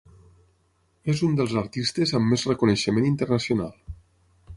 És un dels artistes amb més reconeixement internacional.